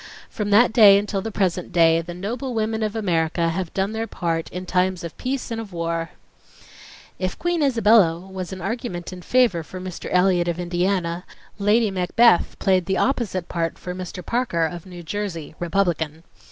From that day until the present day the noble women of America have done their part in times of peace and of war ..." If Queen Isabella was an argument in favor for Mr. Elliott of Indiana, Lady Macbeth played the opposite part for Mr. Parker of New Jersey, Republican